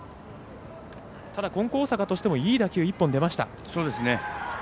金光大阪としてもいい打球、１本出ました。